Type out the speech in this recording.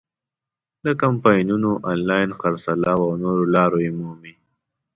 له کمپاینونو، آنلاین خرڅلاو او نورو لارو یې مومي.